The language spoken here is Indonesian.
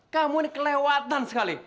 kamu ini kelewatan sekali